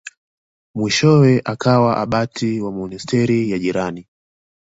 Mwishowe akawa abati wa monasteri ya jirani.